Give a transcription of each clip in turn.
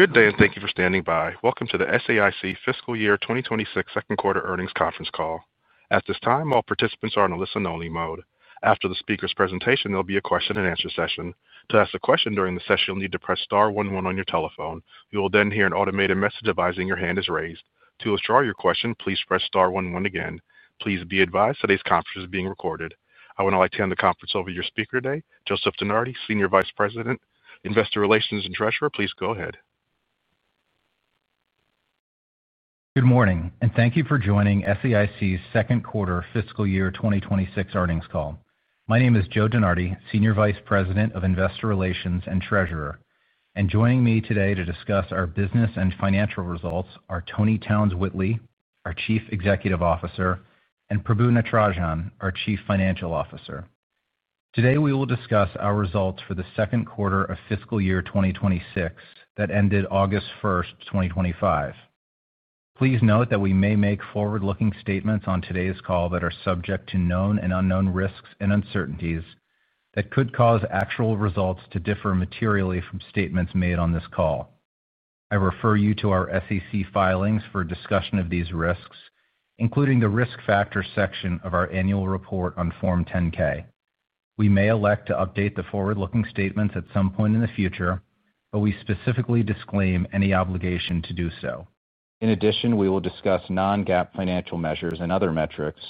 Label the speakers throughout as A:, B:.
A: Good day and thank you for standing by. Welcome to the SAIC Fiscal Year twenty twenty six Second Quarter Earnings Conference Call. At this time, all participants are in a listen only mode. After the speakers' presentation, there will be a question and answer session. Please be advised today's conference is being recorded. I would now like to hand the conference over to your speaker today, Joseph DeNardi, Senior Vice President, Investor Relations and Treasurer. Please go ahead.
B: Good morning and thank you for joining SAIC's second quarter fiscal year twenty twenty six earnings call. My name is Joe DeNardi, Senior Vice President of Investor Relations and Treasurer. And joining me today to discuss our business and financial results are Tony Townes Whitley, our Chief Executive Officer and Prabhu Netrajan, our Chief Financial Officer. Today, we will discuss our results for the 2026 that ended 08/01/2025. Please note that we may make forward looking statements on today's call that are subject to known and unknown risks and uncertainties that could cause actual results to differ materially from statements made on this call. I refer you to our SEC filings for a discussion of these risks, including the Risk Factors section of our annual report on Form 10 ks. We may elect to update the forward looking statements at some point in the future, but we specifically disclaim any obligation to do so. In addition, we will discuss non GAAP financial measures and other metrics,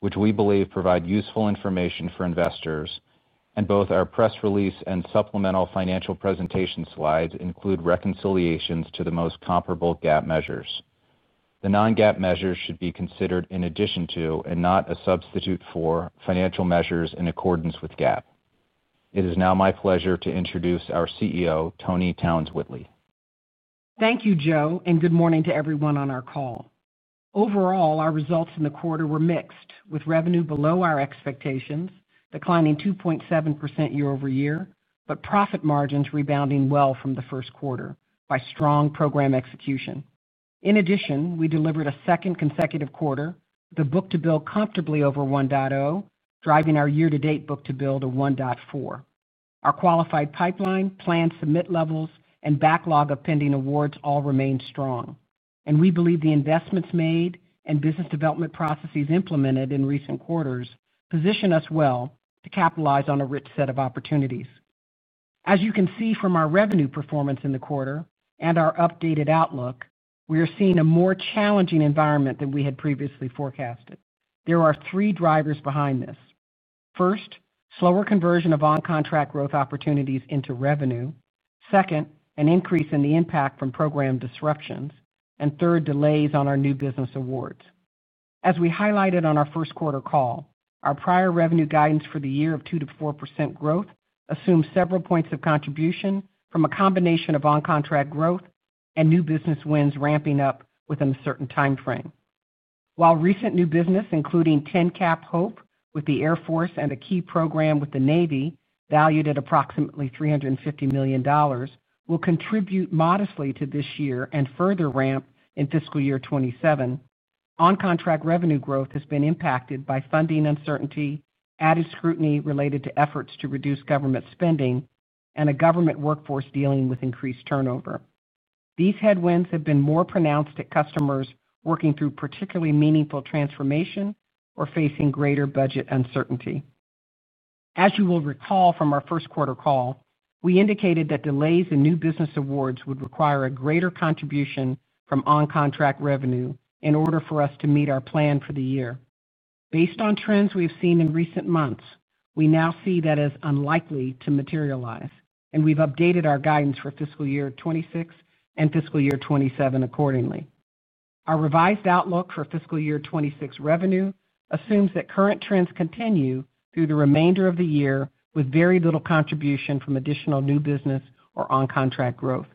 B: which we believe provide useful information for investors and both our press release supplemental financial presentation slides include reconciliations to the most comparable GAAP measures. The non GAAP measures should be considered in addition to and not a substitute for financial measures in accordance with GAAP. It is now my pleasure to introduce our CEO, Tony Townes Whitley.
C: Thank you, Joe, and good morning to everyone on our call. Overall, our results in the quarter were mixed with revenue below our expectations, declining 2.7% year over year, but profit margins rebounding well from the first quarter by strong program execution. In addition, we delivered a second consecutive quarter with a book to bill comfortably over one point zero, driving our year to date book to bill to 1.4. Our qualified pipeline, planned submit levels and backlog of pending awards all remain strong. And we believe the investments made and business development processes implemented in recent quarters position us well to capitalize on a rich set of opportunities. As you can see from our revenue performance in the quarter and our updated outlook, we are seeing a more challenging environment than we had previously forecasted. There are three drivers behind this. First, slower conversion of on contract growth opportunities into revenue second, an increase in the impact from program disruptions and third, delays on our new business awards. As we highlighted on our first quarter call, our prior revenue guidance for the year of 2% to 4% growth assumes several points of contribution from a combination of on contract growth and new business wins ramping up within a certain timeframe. While recent new business including 10 Cap Hope with the Air Force and a key program with the Navy valued at approximately $350,000,000 will contribute modestly to this year and further ramp in fiscal year twenty twenty seven, on contract revenue growth has been impacted by funding uncertainty, added scrutiny related to efforts to reduce government spending and a government workforce dealing with increased turnover. These headwinds have been more pronounced at customers working through particularly meaningful transformation or facing greater budget uncertainty. As you will recall from our first quarter call, we indicated that delays in new business awards would require a greater contribution from on contract revenue in order for us to meet our plan for the year. Based on trends we've seen in recent months, we now see that as unlikely to materialize, and we've updated our guidance for fiscal year twenty twenty six and fiscal year twenty twenty seven accordingly. Our revised outlook for fiscal year twenty twenty six revenue assumes that current trends continue through the remainder of the year with very little contribution from additional new business or on contract growth.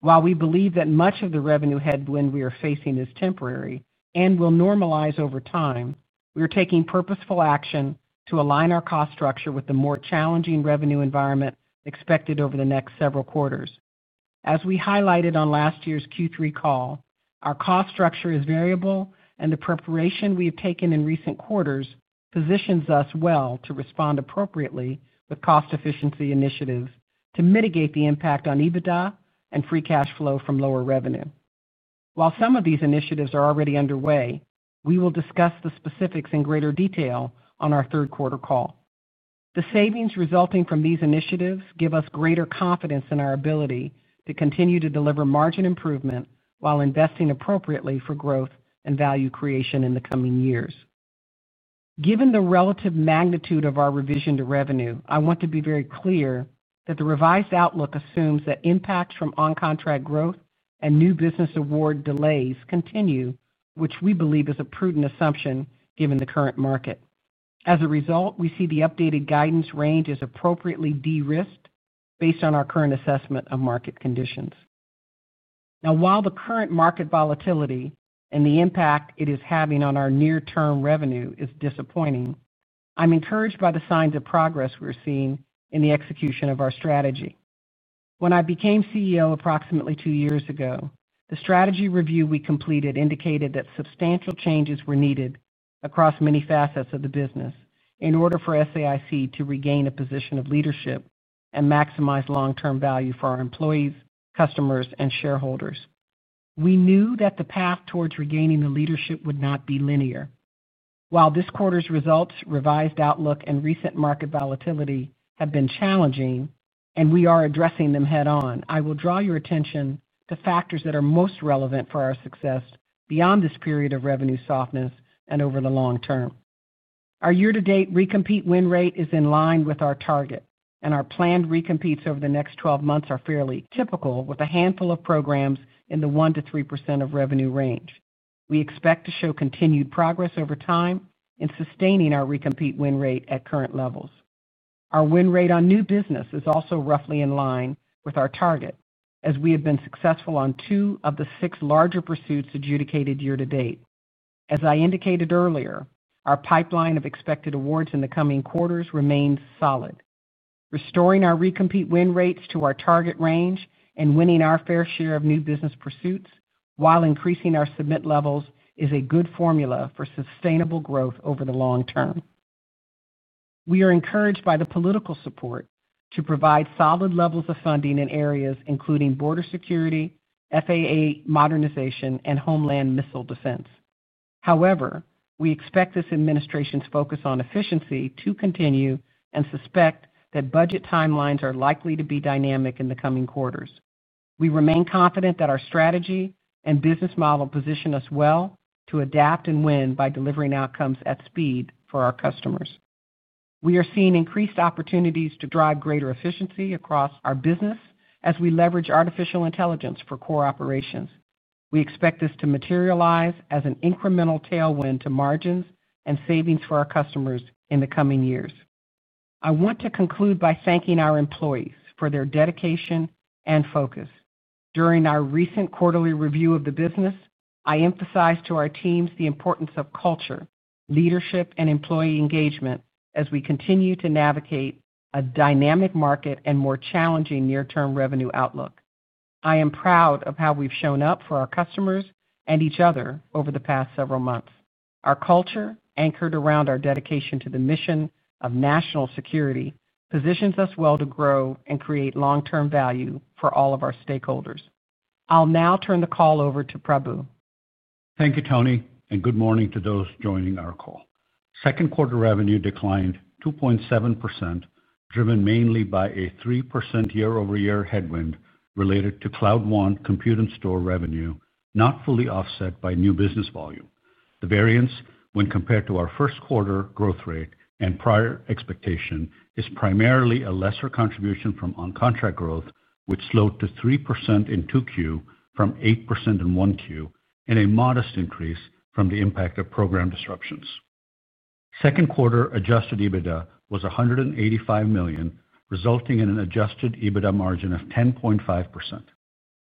C: While we believe that much of the revenue headwind we are facing is temporary and will normalize over time, we are taking purposeful action to align our cost structure with the more challenging revenue environment expected over the next several quarters. As we highlighted on last year's Q3 call, our cost structure is variable and the preparation we have taken in recent quarters positions us well to respond appropriately with cost efficiency initiatives to mitigate the impact on EBITDA and free cash flow from lower revenue. While some of these initiatives are already underway, we will discuss the specifics in greater detail on our third quarter call. The savings resulting from these initiatives give us greater confidence in our ability to continue to deliver margin improvement while investing appropriately for growth and value creation in the coming years. Given the relative magnitude of our revision to revenue, I want to be very clear that the revised outlook assumes that impacts from on contract growth and new business award delays continue, which we believe is a prudent assumption given the current market. As a result, we see the updated guidance range is appropriately derisked based on our current assessment of market conditions. Now while the current market volatility and the impact it is having on our near term revenue is disappointing, I'm encouraged by the signs of progress we're seeing in the execution of our strategy. When I became CEO approximately two years ago, the strategy review we completed indicated that substantial changes were needed across many facets of the business in order for SAIC to regain a position of leadership and maximize long term value for our employees, customers and shareholders. We knew that the path towards regaining the leadership would not be linear. While this quarter's results, revised outlook and recent market volatility have been challenging, and we are addressing them head on, I will draw your attention to factors that are most relevant for our success beyond this period of revenue softness and over the long term. Our year to date recompete win rate is in line with our target, and our planned recompetes over the next twelve months are fairly typical with a handful of programs in the 1% to 3% of revenue range. We expect to show continued progress over time in sustaining our recompete win rate at current levels. Our win rate on new business is also roughly in line with our target as we have been successful on two of the six larger pursuits adjudicated year to date. As I indicated earlier, our pipeline of expected awards in the coming quarters remains solid. Restoring our recompete win rates to our target range and winning our fair share of new business pursuits, while increasing our submit levels is a good formula for sustainable growth over the long term. We are encouraged by the political support to provide solid levels of funding in areas including border security, FAA modernization and homeland missile defense. However, we expect this administration's focus on efficiency to continue and suspect that budget timelines are likely to be dynamic in the coming quarters. We remain confident that our strategy and business model position us well to adapt and win by delivering outcomes at speed for our customers. We are seeing increased opportunities to drive greater efficiency across our business as we leverage artificial intelligence for core operations. We expect this to materialize as an incremental tailwind to margins and savings for our customers in the coming years. I want to conclude by thanking our employees for their dedication and focus. During our recent quarterly review of the business, I emphasized to our teams the importance of culture, leadership and employee engagement as we continue to navigate a dynamic market and more challenging near term revenue outlook. I am proud of how we've shown up for our customers and each other over the past several months. Our culture anchored around our dedication to the mission of national security positions us well to grow and create long term value for all of our stakeholders. I'll now turn the call over to Prabhu.
D: Thank you, Tony, and good morning to those joining our call. Second quarter revenue declined 2.7%, driven mainly by a 3% year over year headwind related to Cloud WAN compute and store revenue, not fully offset by new business volume. The variance when compared to our first quarter growth rate and prior expectation is primarily a lesser contribution from on contract growth, which slowed to 3% in 2Q from 8% in 1Q and a modest increase from the impact of program disruptions. Second quarter adjusted EBITDA was $185,000,000 resulting in an adjusted EBITDA margin of 10.5%.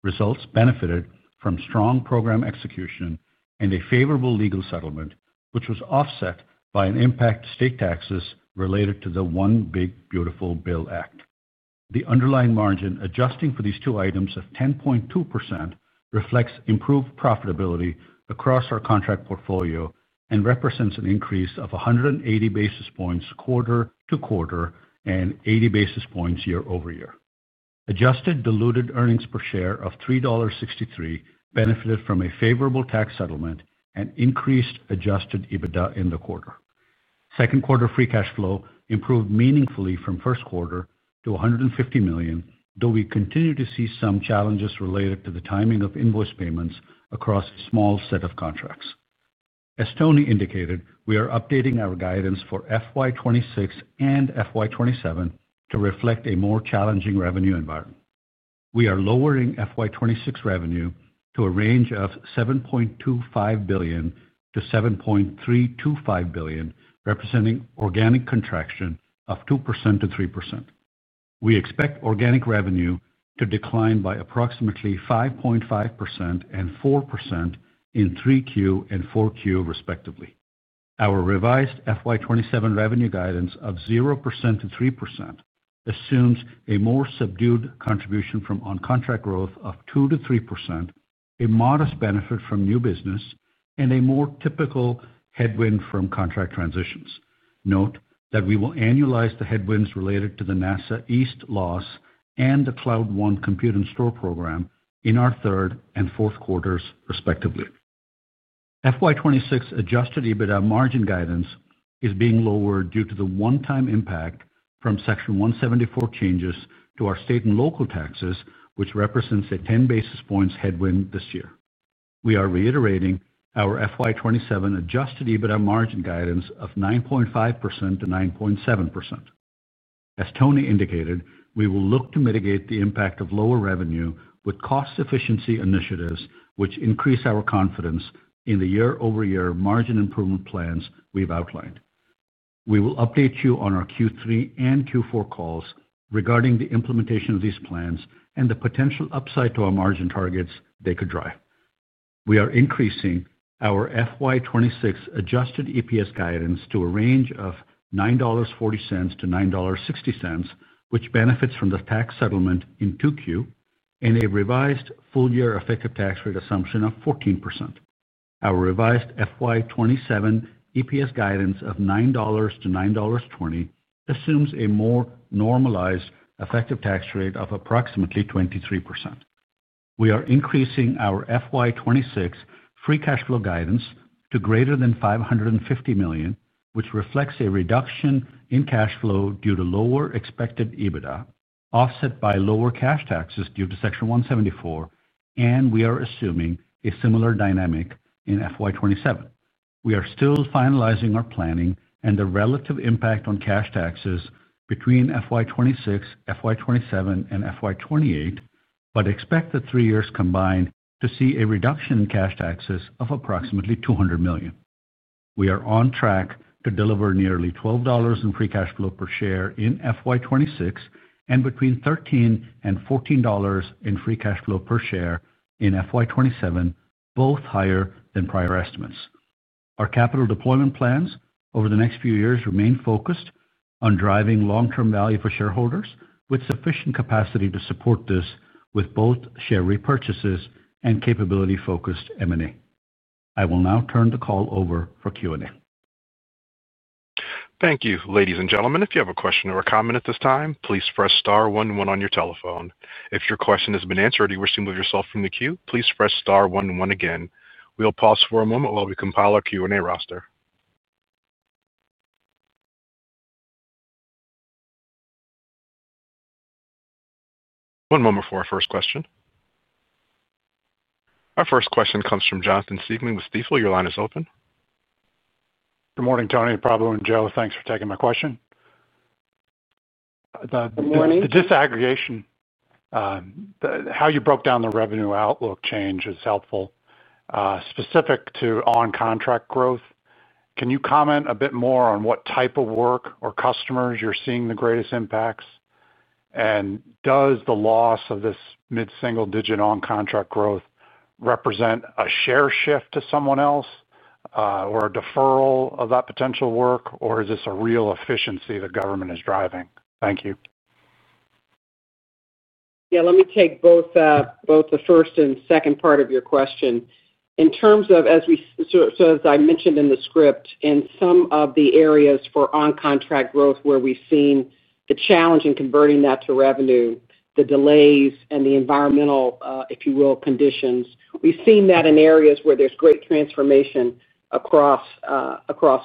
D: Results benefited from strong program execution and a favorable legal settlement, which was offset by an impact to state taxes related to the One Big Beautiful Bill Act. The underlying margin adjusting for these two items of 10.2% reflects improved profitability across our contract portfolio and represents an increase of 180 basis points quarter to quarter and 80 basis points year over year. Adjusted diluted earnings per share of 3.63 benefited from a favorable tax settlement and increased adjusted EBITDA in the quarter. Second quarter free cash flow improved meaningfully from first quarter to $150,000,000 though we continue to see some challenges related to the timing of invoice payments across a small set of contracts. As Tony indicated, we are updating our guidance for FY twenty twenty six and FY 2027 to reflect a more challenging revenue environment. We are lowering FY twenty twenty six revenue to a range of $7,250,000,000 to $7,325,000,000 representing organic contraction of 2% to 3%. We expect organic revenue to decline by approximately 5.54% in 3Q and 4Q, respectively. Our revised FY twenty twenty seven revenue guidance of 0% to 3% assumes a more subdued contribution from on contract growth of 2% to 3%, a modest benefit from new business and a more typical headwind from contract transitions. Note that we will annualize the headwinds related to the NASA East loss and the Cloud One Compute and Store program in our third fourth quarters, respectively. FY 2026 adjusted EBITDA margin guidance is being lowered due to the one time impact from Section 174 changes to our state and local taxes, which represents a 10 basis points headwind this year. We are reiterating our FY 2027 adjusted EBITDA margin guidance of 9.5% to 9.7%. As Tony indicated, we will look to mitigate the impact of lower revenue with cost efficiency initiatives, which increase our confidence in the year over year margin improvement plans we've outlined. We will update you on our Q3 and Q4 calls regarding the implementation of these plans and the potential upside to our margin targets they could drive. We are increasing our FY twenty twenty six adjusted EPS guidance to a range of $9.4 to $9.6 which benefits from the tax settlement in 2Q and a revised full year effective tax rate assumption of 14%. Our revised FY twenty seven EPS guidance of $9 to $9.2 assumes a more normalized effective tax rate of approximately 23%. We are increasing our FY twenty twenty six free cash flow guidance to greater than $550,000,000 which reflects a reduction in cash flow due to lower expected EBITDA, offset by lower cash taxes due to Section 174, and we are assuming a similar dynamic in FY 2027. We are still finalizing our planning and the relative impact on cash taxes between FY 2026, FY 2027 and FY 2028, but expect the three years combined to see a reduction in cash taxes of approximately $200,000,000 We are on track to deliver nearly $12 in free cash flow per share in FY 2026 and between $13 and $14 in free cash flow per share in FY 2027, both higher than prior estimates. Our capital deployment plans over the next few years remain focused on driving long term value for shareholders with sufficient capacity to support this with both share repurchases and capability focused M and A. I will now turn the call over for Q and A. Thank
A: Our first question comes from Jonathan Siegling with Stifel. Your line is open.
E: Good morning, Tony, Pablo and Joe. Thanks for taking my question. Good morning. The disaggregation, how you broke down the revenue outlook change is helpful. Specific to on contract growth, can you comment a bit more on what type of work or customers you're seeing the greatest impacts? And does the loss of this mid single digit on contract growth represent a share shift to someone else or a deferral of that potential work? Or is this a real efficiency that government is driving? Thank you.
C: Yes. Let me take both the first and second part of your question. In terms of as we so as I mentioned in the script, in some of the areas for on contract growth where we've seen the challenge in converting that to revenue, the delays and the environmental, if you will, conditions. We've seen that in areas where there's great transformation across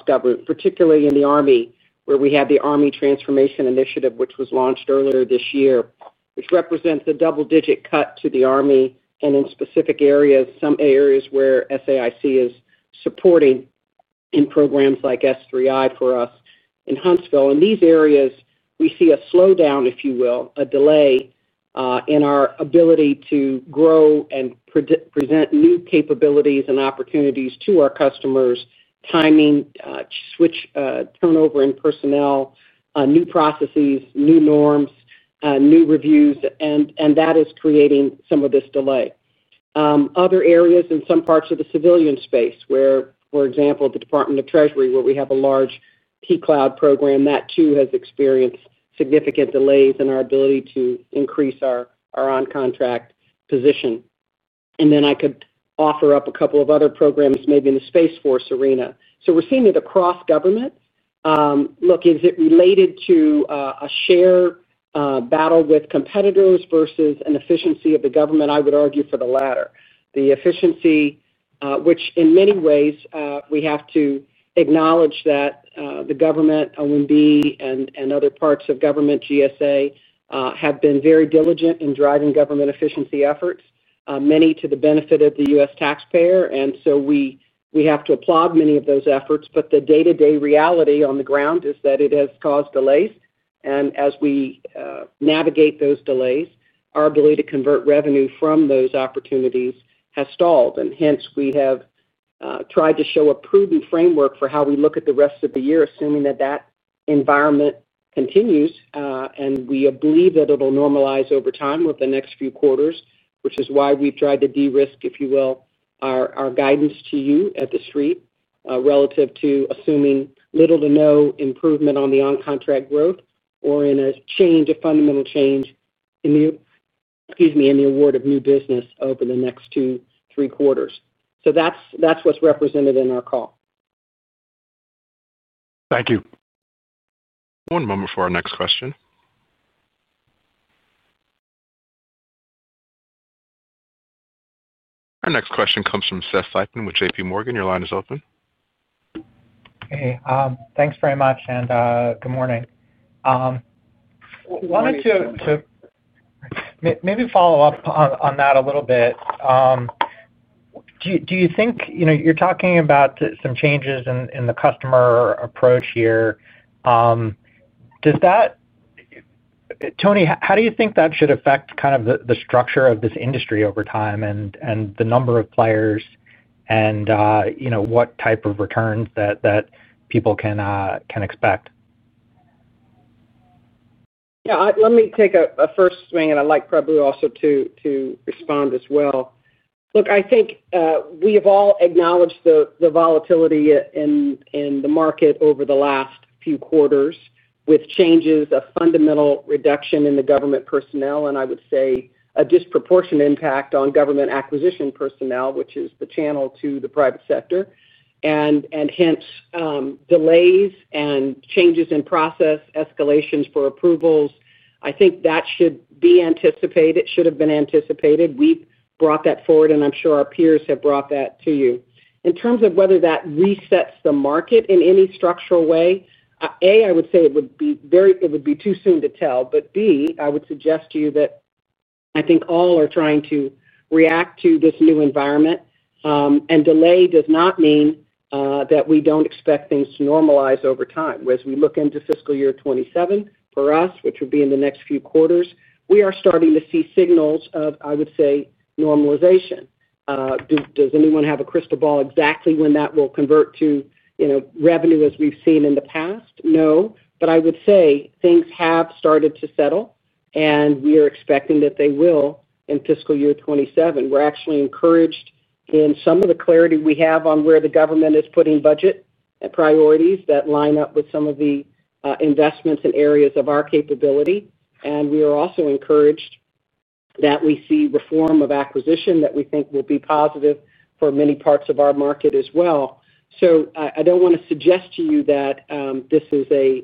C: government, particularly in the Army, where we have the Army Transformation Initiative, which was launched earlier this year, which represents a double digit cut to the Army and in specific areas, some areas where SAIC is supporting in programs like S3I for us in Huntsville. In these areas, we see a slowdown, if you will, a delay in our ability to grow and present new capabilities and opportunities to our customers, timing, switch turnover in personnel, new processes, new norms, new reviews, and that is creating some of this delay. Other areas in some parts of the civilian space, where, for example, the Department of Treasury, where we have a large tCloud program, that too has experienced significant delays in our ability to increase our on contract position. And then I could offer up a couple of other programs maybe in the Space Force arena. So we're seeing it across government. Look, is it related to a share battle with competitors versus an efficiency of the government? I would argue for the latter. The efficiency, which in many ways, we have to acknowledge that the government, OMB and other parts of government GSA have been very diligent in driving government efficiency efforts, many to the benefit of The U. S. Taxpayer. And so we have to applaud many of those efforts. But the day to day reality on the ground is that it has caused delays. And as we navigate those delays, our ability to convert revenue from those opportunities has stalled. And hence, we have tried to show a prudent framework for how we look at the rest of the year assuming that, that environment continues. And we believe that it will normalize over time with the next few quarters, which is why we've tried to derisk, if you will, our guidance to you at The Street relative to assuming little to no improvement on the on contract growth or in a change a fundamental change in the award of new business over the next two, three quarters. So that's what's represented in our call.
D: Thank you.
A: One moment for our next question. Our next question comes from Seth Seifman with JPMorgan. Your line is open.
F: Thanks very much and good morning. Wanted to maybe follow-up on that a little bit. Do you think you're talking about some changes in the customer approach here. Does that Tony, how do you think that should affect kind of the structure of this industry over time and the number of players and what type of returns that people can expect?
C: Yes. Let me take a first swing, and I'd like Prabhu also to respond as well. Look, I think we have all acknowledged the volatility in the market over the last few quarters with changes, a fundamental reduction in the government personnel, and I would say, a disproportionate impact on government acquisition personnel, which is the channel to the private sector. And hence, delays and changes in process escalations for approvals. I think that should be anticipated, should have been anticipated. We brought that forward, and I'm sure our peers have brought that to you. In terms of whether that resets the market in any structural way, a, I would say it would be very it would be too soon to tell. But b, I would suggest to you that I think all are trying to react to this new environment. And delay does not mean that we don't expect things to normalize over time. As we look into fiscal year twenty twenty seven for us, which would be in the next few quarters, we are starting to see signals of, I would say, normalization. Does anyone have a crystal ball exactly when that will convert to revenue as we've seen in the past? No. But I would say things have started to settle, and we are expecting that they will in fiscal year 2027. We're actually encouraged in some of the clarity we have on where the government is putting budget and priorities that line up with some of the investments in areas of our capability. And we are also encouraged that we see reform of acquisition that we think will be positive for many parts of our market as well. So I don't want to suggest to you that this is a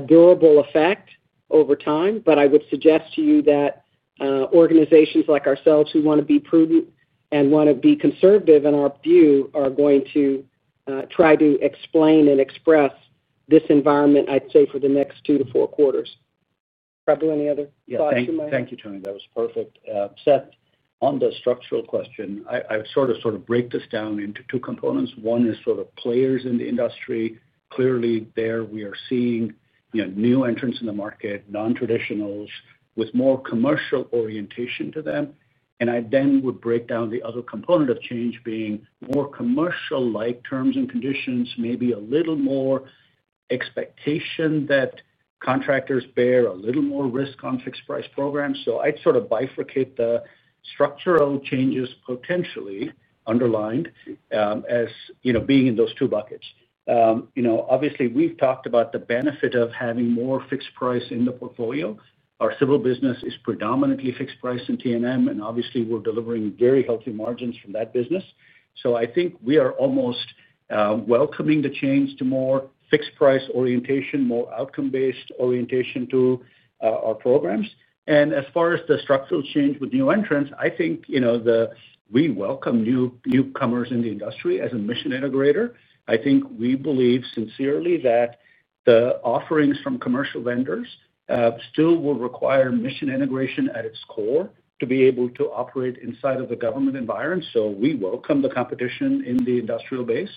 C: durable effect over time, but I would suggest to you that organizations like ourselves who want to be prudent and want to be conservative in our view are going to try to explain and express this environment, I'd say, for the next two to four quarters. Prabhu, any other thoughts you might have?
D: You, Tony. That was perfect. Seth, on the structural question, I would sort of break this down into two components. One is sort of players in the industry. Clearly, there, we are seeing new entrants in the market, nontraditional with more commercial orientation to them. And I then would break down the other component of change being more commercial like terms and conditions, maybe a little more expectation that contractors bear a little more risk on fixed price programs. So I'd sort of bifurcate the structural changes potentially underlined as being in those two buckets. Obviously, we've talked about the benefit of having more fixed price in the portfolio. Our Civil business is predominantly fixed price in T and M, and obviously, we're delivering very healthy margins from that business. So I think we are almost welcoming the change to more fixed price orientation, more outcome based orientation to our programs. And as far as the structural change with new entrants, I think the we welcome newcomers in the industry as a mission integrator. I think we believe sincerely that the offerings from commercial vendors still will require mission integration at its core to be able to operate inside of the government environment. So we welcome the competition in the industrial base,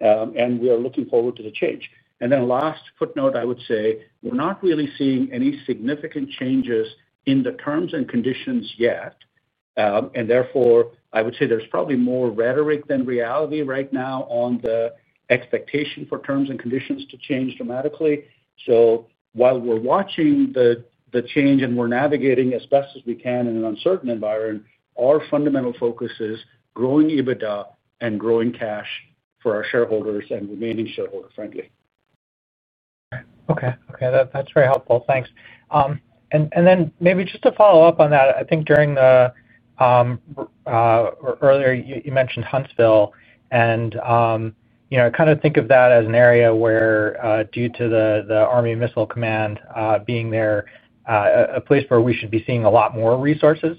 D: and we are looking forward to the change. And then last footnote, I would say, we're not really seeing any significant changes in the terms and conditions yet. And therefore, I would say there's probably more rhetoric than reality right now on the expectation for terms and conditions to change dramatically. So while we're watching the change and we're navigating as best as we can in an uncertain environment, our fundamental focus is growing EBITDA and growing cash for our shareholders and remaining shareholder friendly.
F: Okay. Okay. That's very helpful. Thanks. And then maybe just a follow-up on that. I think during the earlier you mentioned Huntsville and kind of think of that as an area where due to the Army Missile Command being there, a place where we should be seeing a lot more resources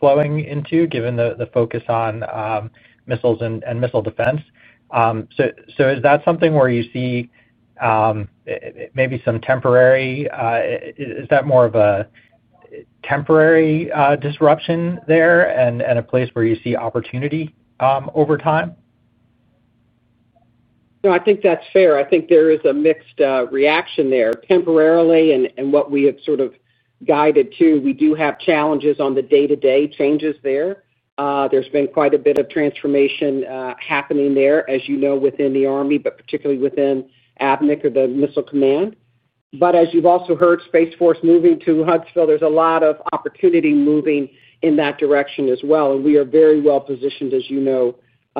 F: flowing into given the focus on missiles and missile defense. So is that something where you see, maybe some temporary, is that more of a temporary disruption there and a place where you see opportunity, over time?
C: No, I think that's fair. I think there is a mixed reaction there temporarily and what we have sort of guided to, we do have challenges on the day to day changes there. There's been quite a bit of transformation happening there, as you know, within the Army, but particularly within APNIC or the Missile Command. But as you've also heard Space Force moving to Huntsville, there's a lot of opportunity moving in that direction as well. And we are very well positioned, as you know,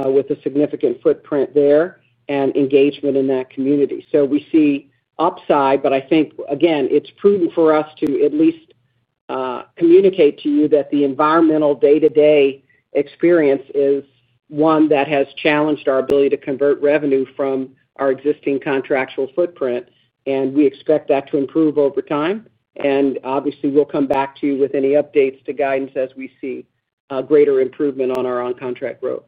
C: with a significant footprint there and engagement in that community. So we see upside. But I think, again, it's prudent for us to at least communicate to you that the environmental day to day experience is one that has challenged our ability to convert revenue from our existing contractual footprint. And we expect that to improve over time. And obviously, we'll come back to you with any updates to guidance as we see greater improvement on our on contract growth.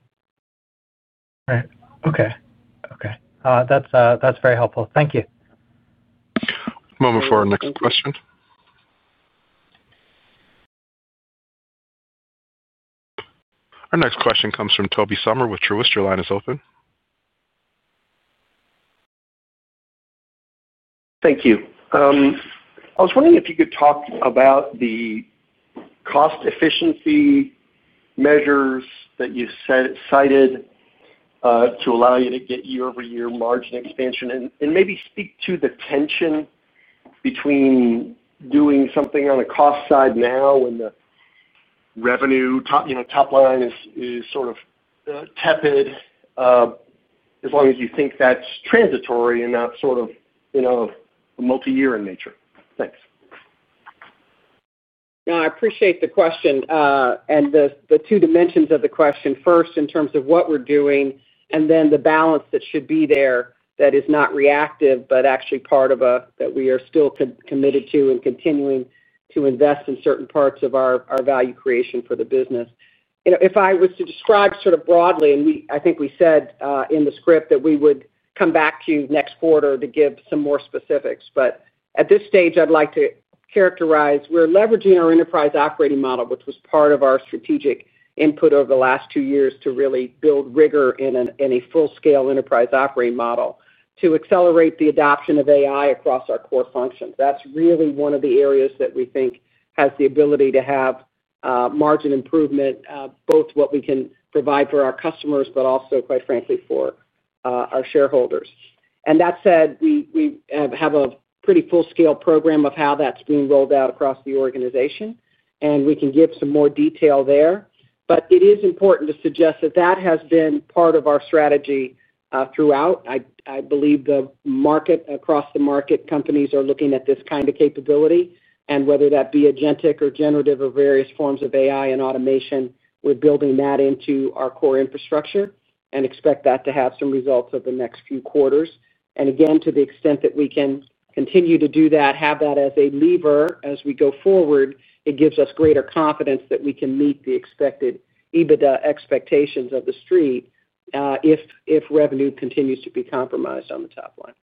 A: Right. Okay.
F: Okay. That's very helpful. Thank you.
A: Moment for our next question. Our next question comes from Tobey Sommer with Truist. Your line is open.
G: Thank you. I was wondering if you could talk about the cost efficiency measures that you cited to allow you to get year over year margin expansion. Maybe speak to the tension between doing something on the cost side now and the revenue top line is sort of tepid as long as you think that's transitory and not sort of multiyear in nature? Thanks.
C: No, I appreciate the question. And the two dimensions of the question, first, in terms of what we're doing and then the balance that should be there that is not reactive, but actually part of a that we are still committed to and continuing to invest in certain parts of our value creation for the business. If I was to describe sort of broadly, and we I think we said in the script that we would come back to you next quarter to give some more specifics. But at this stage, I'd like to characterize we're leveraging our enterprise operating model, which was part of our strategic input over the last two years to really build rigor in a full scale enterprise operating model to accelerate the adoption of AI across our core functions. That's really one of the areas that we think has the ability to have margin improvement, both what we can provide for our customers, but also quite frankly for our shareholders. And that said, we have a pretty full scale program of how that's being rolled out across the organization. And we can give some more detail there. But it is important to suggest that that has been part of our strategy throughout. I believe the market across the market companies are looking at this kind of capability. And whether that be AgenTeq or generative or various forms of AI and automation, we're building that into our core infrastructure and expect that to have some results over the next few quarters. And again, to the extent that we can continue to do that, have that as a lever as we go forward, it gives us greater confidence that we can meet the expected EBITDA expectations of the Street if revenue continues to be compromised on the top line.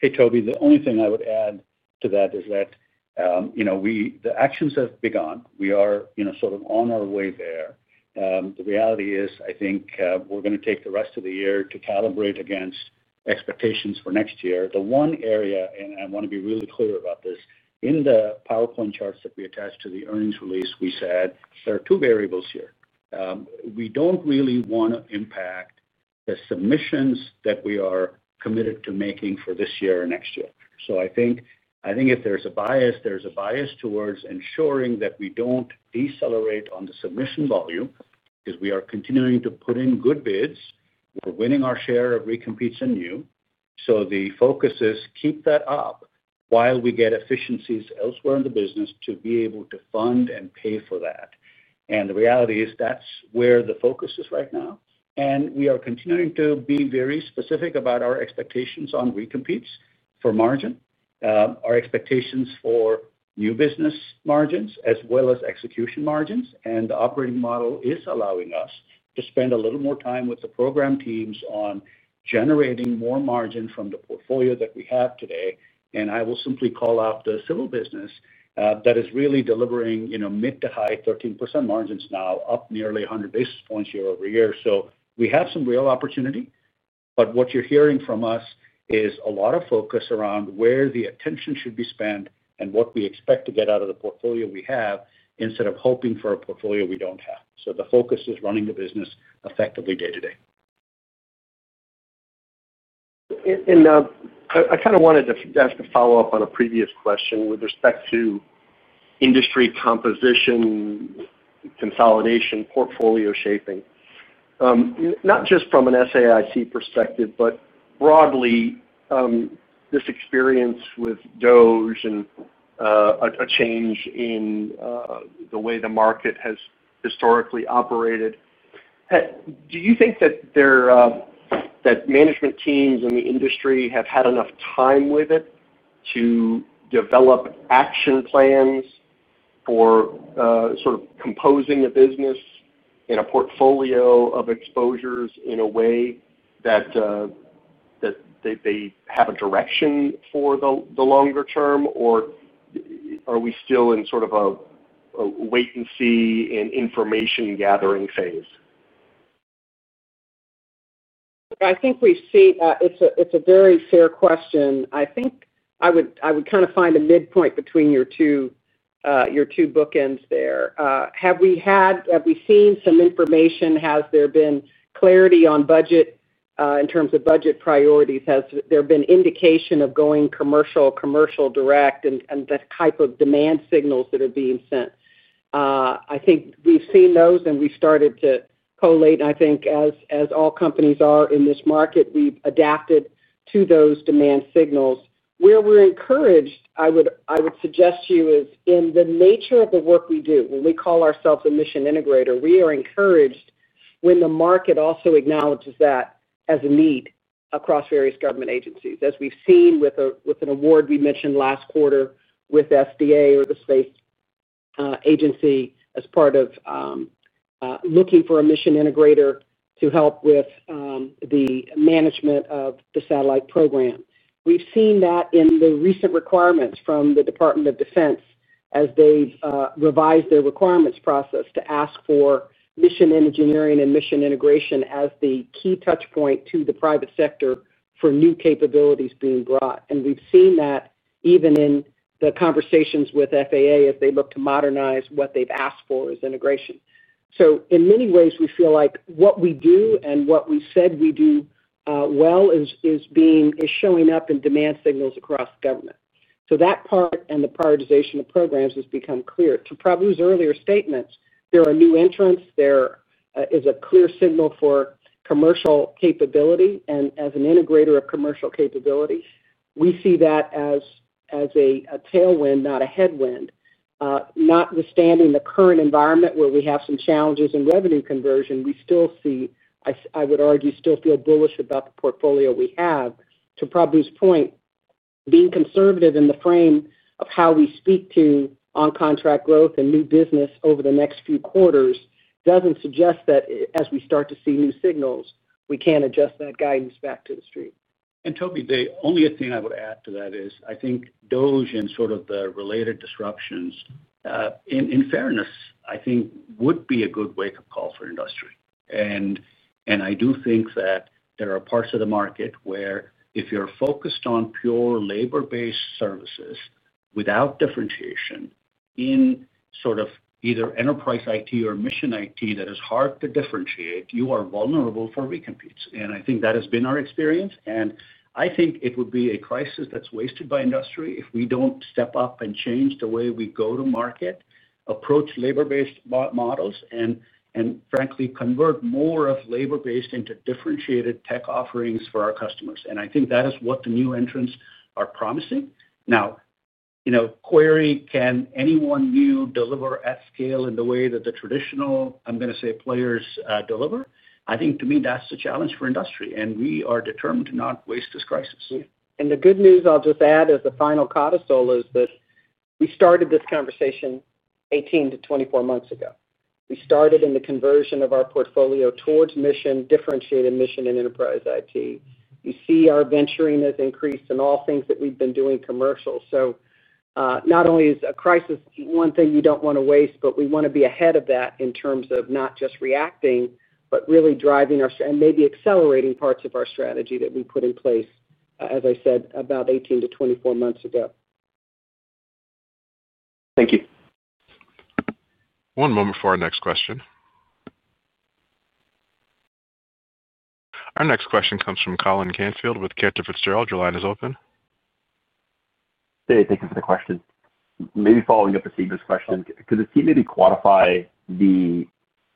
D: Hey, Tobey, the only thing I would add to that is that we the actions have begun. We are sort of on our way there. The reality is, I think, we're going to take the rest of the year to calibrate against expectations for next year. The one area, and I want to be really clear about this, in the PowerPoint charts that we attached to the earnings release, we said there are two variables here. We don't really want to impact the submissions that we are committed to making for this year or next year. So I think if there's a bias, there's a bias towards ensuring that we don't decelerate on the submission volume because we are continuing to put in good bids. We're winning our share of recompetes and new. So the focus is keep that up while we get efficiencies elsewhere in the business to be able to fund and pay for that. And the reality is that's where the focus is right now. And we are continuing to be very specific about our expectations on recompetes for margin, our expectations for new business margins, as well as execution margins. And the operating model is allowing us to spend a little more time with the program teams on generating more margin from the portfolio that we have today. And I will simply call out the Civil business that is really delivering mid to high 13% margins now, up nearly 100 basis points year over year. So we have some real opportunity. But what you're hearing from us is a lot of focus around where the attention should be spent and what we expect to get out of the portfolio we have instead of hoping for a portfolio we don't have. So the focus is running the business effectively day to day.
G: And I kind of wanted to ask a follow-up on a previous question with respect to industry composition consolidation portfolio shaping. Not just from an SAIC perspective, but broadly, this experience with Doge and a change in the way the market has historically operated, do you think that management teams in the industry have had enough time with it to develop action plans for sort of composing a business in a portfolio of exposures in a way that they have a direction for the longer term? Or are we still in sort of a wait and see and information gathering phase?
C: I think we see it's a very fair question. I think I would kind of find a midpoint between your two bookends there. Have we had have we seen some information? Has there been clarity on budget in terms of budget priorities? Has there been indication of going commercial, commercial direct and the type of demand signals that are being sent? I think we've seen those and we started to collate. And I think as all companies are in this market, we've adapted to those demand signals. Where we're encouraged, I would suggest to you is in the nature of the work we do, when we call ourselves a mission integrator, we are encouraged when the market also acknowledges that as a need across various government agencies. As we've seen with an award we mentioned last quarter with FDA or the state agency as part of looking for a mission integrator to help with the management of the satellite program. We've seen that in the recent requirements from the Department of Defense as they revised their requirements process to ask for mission engineering and mission integration as the key touch point to the private sector for new capabilities being brought. And we've seen that even in the conversations with FAA as they look to modernize what they've asked for is integration. So in many ways, we feel like what we do and what we said we do well is showing up in demand signals across government. So that part and the prioritization of programs has become clear. To Prabhu's earlier statements, there are new entrants. There is a clear signal for commercial capability. And as an integrator of commercial capability, we see that as a tailwind, not a headwind. Notwithstanding the current environment where we have some challenges in revenue conversion, we still see I would argue still feel bullish about the portfolio we have. To Prabhu's point, being conservative in the frame of how we speak to on contract growth and new business over the next few quarters doesn't suggest that as we start to see new signals, we can adjust that guidance back to the street.
D: And Tobey, the only thing I would add to that is, I think Doge and sort of the related disruptions, in fairness, I think would be a good wake up call for industry. And I do think that there are parts of the market where if you're focused on pure labor based services without differentiation in sort of either enterprise IT or mission IT that is hard to differentiate, you are vulnerable for recompetes. And I think that has been our experience. And I think it would be a crisis that's wasted by industry if we don't step up and change the way we go to market, approach labor based models and frankly convert more of labor based into differentiated tech offerings for our customers. And I think that is what the new entrants are promising. Now Query can anyone new deliver at scale in the way that the traditional, I'm going to say, players deliver. I think to me, that's the challenge for industry. And we are determined to not waste this crisis.
C: And the good news, I'll just add as a final cortisol is that we started this conversation eighteen to twenty four months ago. We started in the conversion of our portfolio towards mission, differentiated mission and enterprise IT. You see our venturing has increased in all things that we've been doing commercial. So not only is a crisis one thing you don't want to waste, but we want to be ahead of that in terms of not just reacting, but really driving our and maybe accelerating parts of our strategy that we put in place, as I said, about eighteen to twenty four months ago.
G: Thank you.
A: One moment for our next question. Our next question comes from Colin Canfield with Cantor Fitzgerald. Your line is open.
H: Hey, thank you for the question. Maybe following up to Saba's question, could you maybe quantify the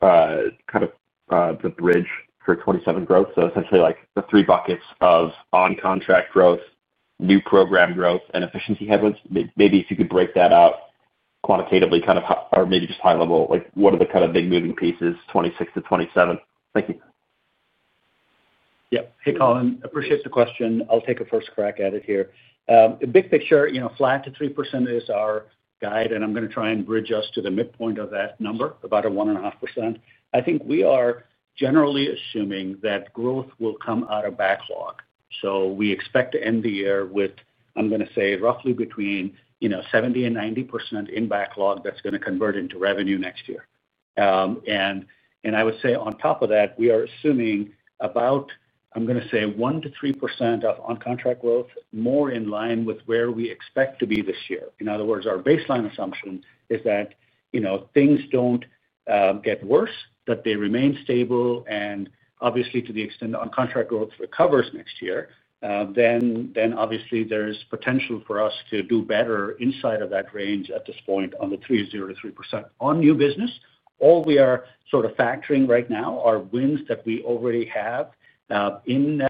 H: kind of the bridge for 2027 growth? So essentially like the three buckets of on contract growth, new program growth and efficiency headwinds. Maybe if you could break that out quantitatively kind of or maybe just high level like what are the kind of big moving pieces 2026 to 2027? Thank you.
D: Yes. Hey, Colin, appreciate the question. I'll take a first crack at it here. Big picture, flat to 3% is our guide, I'm going to try and bridge us to the midpoint of that number, about a 1.5%. I think we are generally assuming that growth will come out of backlog. So we expect to end the year with, I'm going to say, roughly between 7090% in backlog that's going to convert into revenue next year. And I would say on top of that, we are assuming about, I'm going to say, 1% to 3% of on contract growth more in line with where we expect to be this year. In other words, our baseline assumption is that things don't get worse, that they remain stable and obviously to the extent on contract growth recovers next year, then obviously there is potential for us to do better inside of that range at this point on the 3% to 3%. On new business, all we are factoring right now are wins that we already have in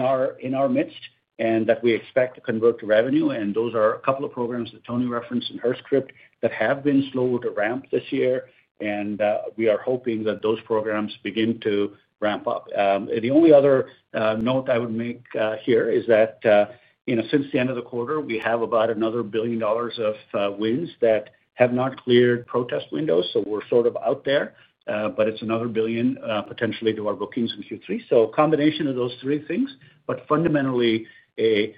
D: our midst and that we expect to convert to revenue. And those are a couple of programs that Tony referenced in her script that have been slow to ramp this year. And we are hoping that those programs begin to ramp up. The only other note I would make here is that since the end of the quarter we have about another $1,000,000,000 of wins that have not cleared protest windows. So we're sort of out there, but it's another $1,000,000,000 potentially to our bookings in Q3. So a combination of those three things, but fundamentally a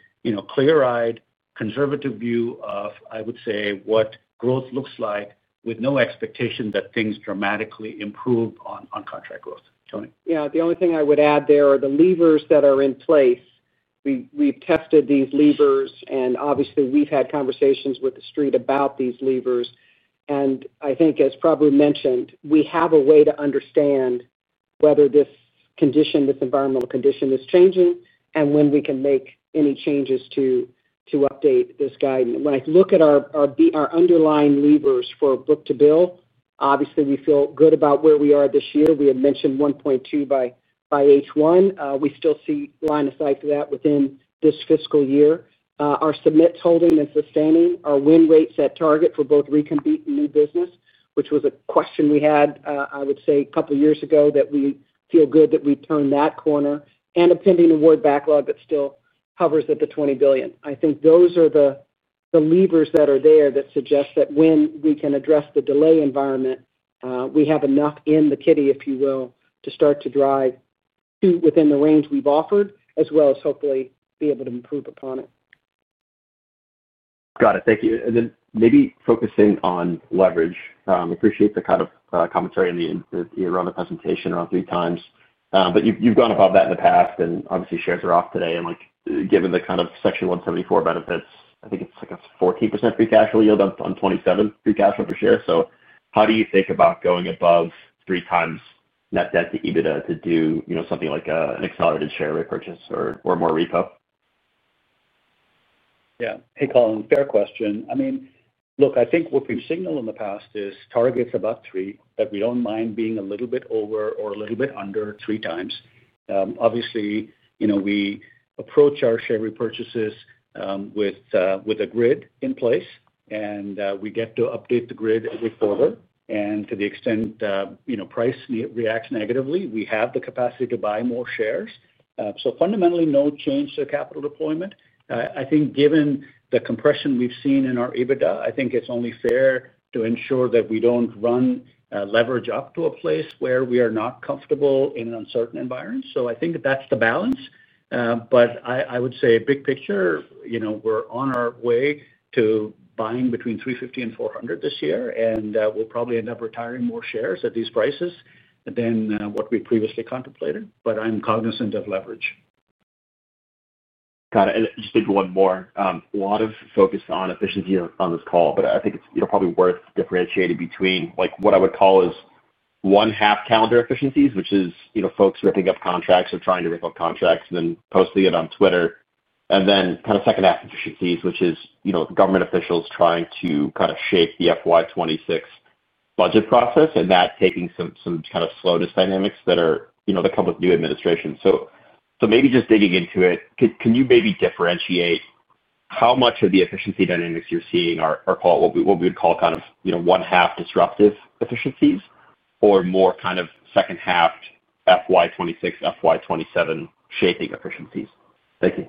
D: clear eyed conservative view of, I would say, what growth looks like with no expectation that things dramatically improve on contract growth. Tony?
C: Yes. The only thing I would add there are the levers that are in place. We've tested these levers. And obviously, we've had conversations with The Street about these levers. And I think as probably mentioned, we have a way to understand whether this condition, this environmental condition is changing and when we can make any changes to update this guidance. When I look at our underlying levers for book to bill, obviously, we feel good about where we are this year. We had mentioned 1.2 by H1. We still see line of sight to that within this fiscal year. Our submits holding and sustaining our win rates at target for both recompete and new business, which was a question we had, I would say, couple of years ago that we feel good that we turned that corner and a pending award backlog that still hovers at the $20,000,000,000 I think those are the levers that are there that suggest that when we can address the delay environment, we have enough in the kitty, if you will, to start to drive within the range we've offered as well as hopefully be able to improve upon it.
H: Got it. Thank you. And then maybe focusing on leverage. I appreciate the kind of commentary around the presentation around three times. But you've gone above that in the past and obviously shares are off today. And like given the kind of Section 174 benefits, I think it's like a 14% free cash flow yield on 27% free cash flow per share. So how do you think about going above three times net debt to EBITDA to do something like an accelerated share repurchase or more repo?
D: Yes. Hey, Colin, fair question. I mean, look, think what we've signaled in the past is target's about three, but we don't mind being a little bit over or a little bit under three times. Obviously, we approach our share repurchases with a grid in place, and we get to update the grid every quarter. And to the extent price reacts negatively, we have the capacity to buy more shares. So fundamentally, no change to capital deployment. I think given the compression we've seen in our EBITDA, I think it's only fair to ensure that we don't run leverage up to a place where we are not comfortable in an uncertain environment. So I think that's the balance. But I would say big picture, we're on our way to buying between $350,000,000 and 400,000,000 this year, and we'll probably end up retiring more shares at these prices than what we previously contemplated, but I'm cognizant of leverage.
H: Got it. And just maybe one more. A lot of focus on efficiency on this call, but I think it's probably worth differentiating between like what I would call is one half calendar efficiencies, which is folks ripping up contracts or trying to rip up contracts and then posting it on Twitter. And then kind of second half efficiencies, which is government officials trying to kind of shape the FY 2026 budget process and that taking some kind of slowness dynamics that are that come with new administration. So maybe just digging into it, can you maybe differentiate how much of the efficiency dynamics you're seeing are, call it, what we would call kind of one half disruptive efficiencies or more kind of second half FY 2026, FY 2027 shaping efficiencies? Thank you.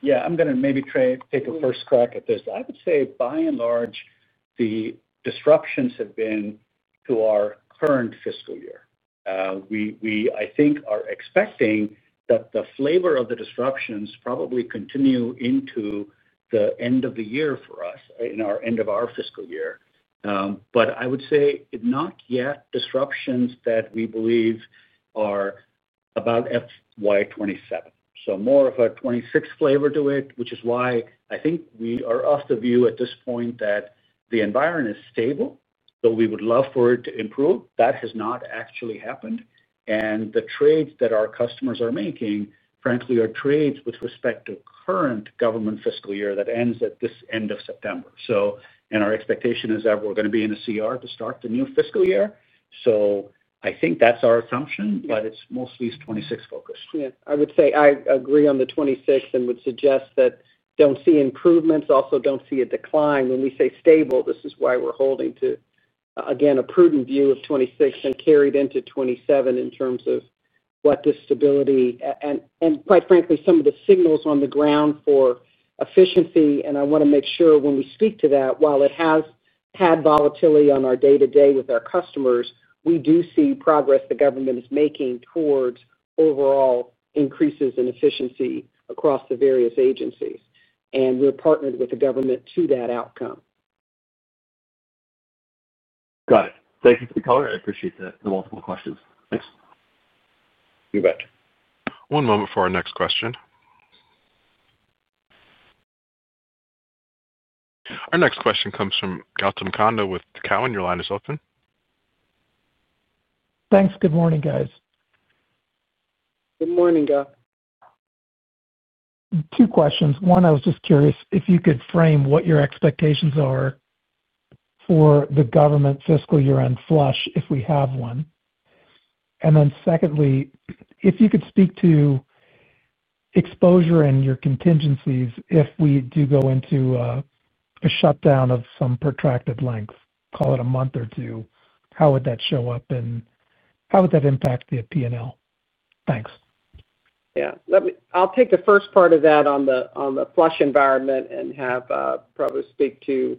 D: Yes. I'm going to maybe take a first crack at this. I would say, by and large, the disruptions have been to our current fiscal year. We, I think, are expecting that the flavor of the disruptions probably continue into the end of the year for us, in our end of our fiscal year. But I would say not yet disruptions that we believe are about FY27. So more of a '26 flavor to it, which is why I think we are off the view at this point that the environment is stable, but we would love for it to improve. That has not actually happened. And the trades that our customers are making, frankly, are trades with respect to current government fiscal year that ends at this September. So and our expectation is that we're going to be in the CR to start the new fiscal year. So I think that's our assumption, but it's mostly '26 focused.
C: Yes. I would say I agree on the '26 and would suggest that don't see improvements, also don't see a decline. When we say stable, this is why we're holding to, again, a prudent view of 26% and carried into 27% in terms of what the stability and quite frankly, some of the signals on the ground for efficiency. And I want to make sure when we speak to that, while it has had volatility on our day to day with our customers, we do see progress the government is making towards overall increases in efficiency across the various agencies. And we're partnered with the government to that outcome.
H: Got it. Thank you for the color. I appreciate the multiple questions. Thanks. You bet.
A: One moment for our next question. Our next question comes from Gautam Khanda with Cowen. Your line is open.
I: Thanks. Good morning, guys.
C: Good morning, Gautam.
I: Two questions. One, I was just curious if you could frame what your expectations are for the government fiscal year end flush, if we have one? And then secondly, if you could speak to exposure and your contingencies if we do go into a shutdown of some protracted length, call it a month or two, how would that show up? And how would that impact the P and L? Thanks.
C: Yes. Let me I'll take the first part of that on the flush environment and have probably speak to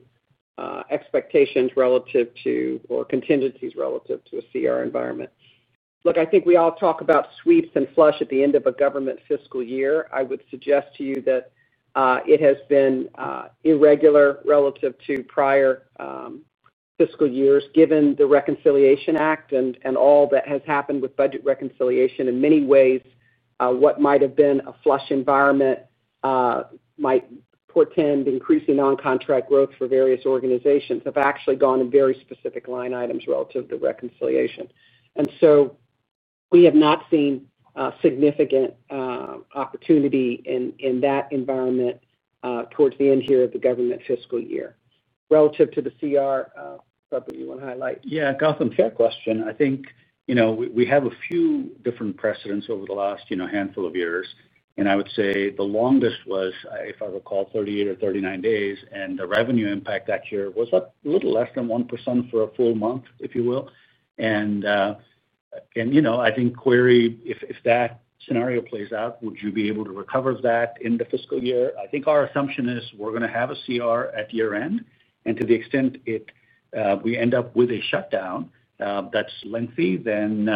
C: expectations relative to or contingencies relative to a CR environment. Look, I think we all talk about sweeps and flush at the end of a government fiscal year. I would suggest to you that it has been irregular relative to prior fiscal years, given the Reconciliation Act and all that has happened with budget reconciliation in many ways, what might have been a flush environment might portend increasing non contract growth for various organizations have actually gone in very specific line items relative to reconciliation. And so we have not seen significant opportunity in that environment towards the end here of the government fiscal year. Relative to the CR, something you want to highlight?
D: Yes. Gautam, fair question. I think we have a few different precedents over the last handful of years. And I would say the longest was, if I recall, thirty eight or thirty nine days, and the revenue impact that year was up a little less than 1% for a full month, if you will. I think Query, if that scenario plays out, would you be able to recover that in the fiscal year? I think our assumption is we're going to have a CR at year end. And to the extent it we end up with a shutdown that's lengthy, then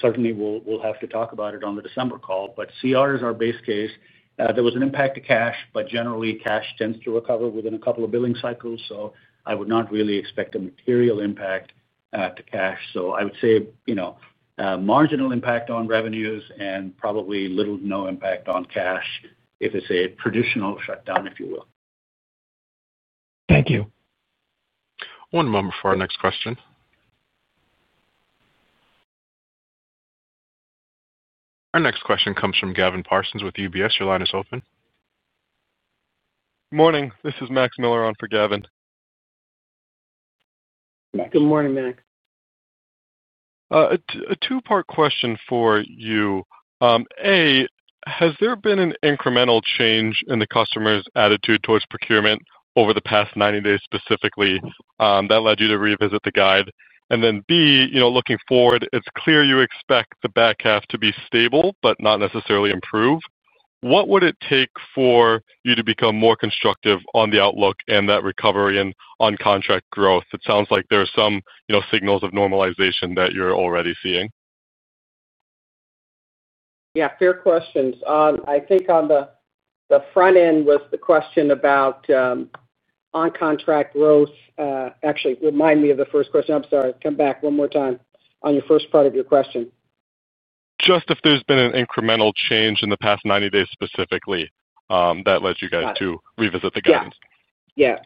D: certainly we'll have to talk about it on the December call. But CR is our base case. There was an impact to cash, but generally cash tends to recover within a couple of billing cycles. So I would not really expect a material impact to cash. So I would say marginal impact on revenues and probably little no impact on cash if it's a traditional shutdown, if you will.
I: Thank you.
A: One moment for our next question. Our next question comes from Gavin Parsons with UBS. Your line is open.
J: Good morning. This is Max Miller on for Gavin.
C: Good morning, Max.
J: A two part question for you. A, has there been an incremental change in the customer's attitude towards procurement over the past ninety days specifically that led you to revisit the guide? And then b, looking forward, it's clear you expect the back half to be stable, but not necessarily improve. What would it take for you to become more constructive on the outlook and that recovery and on contract growth? It sounds like there are some signals of normalization that you're already seeing.
C: Yes, fair questions. I think on the front end was the question about on contract growth. Actually, remind me of the first question. I'm sorry, come back one more time on your first part of your question.
J: Just if there's been an incremental change in the past ninety days specifically that led you guys to revisit the guidance. Yes.